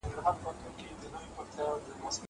مرسته وکړه!!